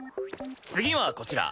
次はこちら。